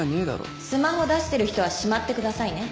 スマホ出してる人はしまってくださいね。